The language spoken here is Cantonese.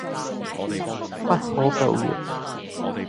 不可救藥